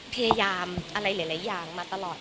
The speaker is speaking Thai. พยายามเรื่อยละอย่างมาตลอด